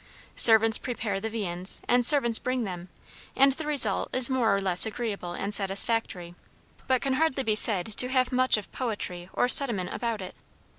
Servants prepare the viands, and servants bring them; and the result is more or less agreeable and satisfactory, but can hardly be said to have much of poetry or sentiment about it.